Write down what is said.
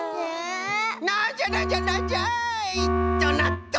なんじゃなんじゃなんじゃ？となっと。